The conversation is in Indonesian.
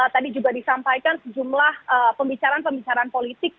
tadi juga disampaikan sejumlah pembicaraan pembicaraan politik